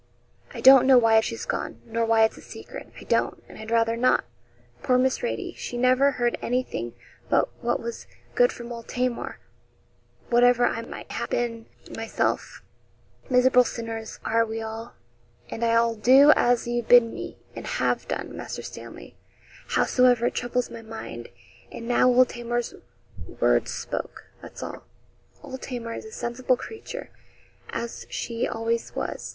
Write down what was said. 'I don't know why she's gone, nor why it's a secret I don't, and I'd rather not. Poor Miss Radie, she never heard anything but what was good from old Tamar, whatever I might ha' bin myself, miserable sinners are we all; and I'll do as you bid me, and I have done, Master Stanley, howsoever it troubles my mind;' and now old Tamar's words spoke that's all. 'Old Tamar is a sensible creature, as she always was.